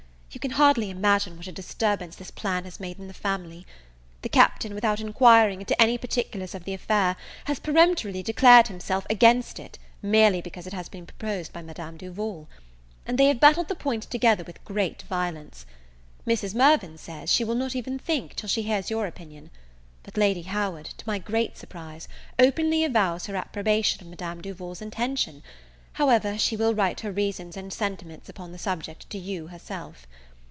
You can hardly imagine what a disturbance this plan has made in the family. The Captain, without enquiring into any particulars of the affair, has peremptorily declared himself against it, merely because it has been proposed by Madame Duval; and they have battled the point together with great violence. Mrs. Mirvan says, she will not even think, till she hears your opinion. But Lady Howard, to my great surprise, openly avows her appprobation of Madame Duval's intention; however, she will write her reasons and sentiments upon the subject to you herself.